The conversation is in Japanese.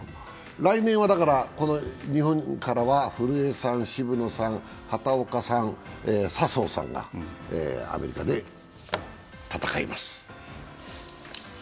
来年は日本からは古江さん、渋野さん、畑岡さん、笹生さんがアメリカで戦います。